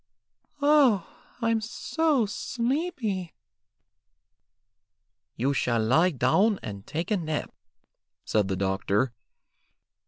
"Oh, I'm so sleepy." "You shall lie down and take a nap," said the doctor.